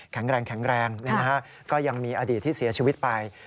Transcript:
แข็งแรงก็ยังมีอดีตที่เสียชีวิตไป